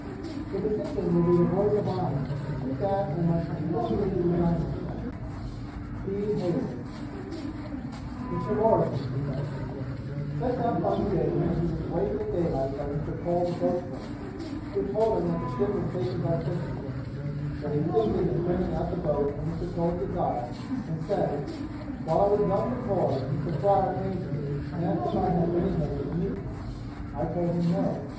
'The decision will be the voice of honour, and to that I must implicitly resign myself. 'P. HEYWOOD.' Mr. Morrison's Defence Sets out by stating that he was waked at daylight by Mr. Cole the boatswain, who told him that the ship was taken by Christian; that he assisted in clearing out the boat at Mr. Cole's desire, and says, 'While I was thus employed Mr. Fryer came to me and asked if I had any hand in the mutiny; I told him No.